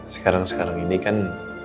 sekarang sekarang ini kan